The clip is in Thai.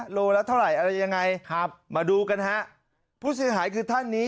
โลละเท่าไหร่อะไรยังไงครับมาดูกันฮะผู้เสียหายคือท่านนี้